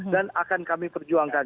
dan akan kami perjuangkan